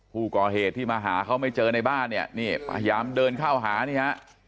ผู้ก่อเหตุที่มาหาเขาไม่เจอในบ้านเนี่ยนี่พยายามเดินเข้าหานี่ฮะ